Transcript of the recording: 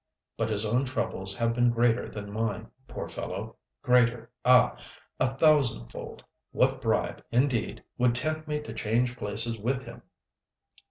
But his own troubles have been greater than mine, poor fellow—greater, ah, a thousandfold. What bribe, indeed, would tempt me to change places with him?